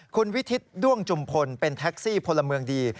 คุณวิทิศด้วงจุมพลเป็นแท็กซี่พลเมืองดี